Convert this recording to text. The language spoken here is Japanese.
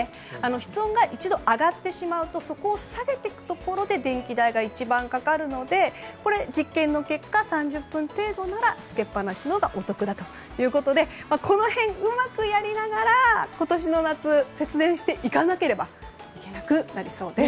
室温が一度上がってしまうとそこを下げていくところで電気代が一番かかるので実験の結果３０分程度ならつけっぱなしのほうがお得だということでこの辺をうまくやりながら今年の夏節電していかなければいけなくなりそうです。